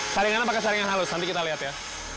saringannya pakai saringan halus nanti kita lihat ya